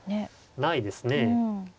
ないですね。